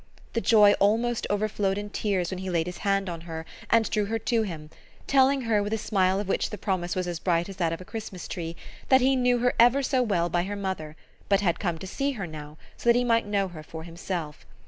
The joy almost overflowed in tears when he laid his hand on her and drew her to him, telling her, with a smile of which the promise was as bright as that of a Christmas tree, that he knew her ever so well by her mother, but had come to see her now so that he might know her for himself.